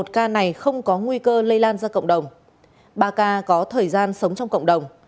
một ca này không có nguy cơ lây lan ra cộng đồng ba ca có thời gian sống trong cộng đồng